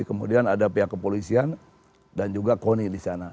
kemudian ada pihak kepolisian dan juga koni di sana